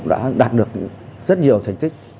đã đạt được rất nhiều thành tích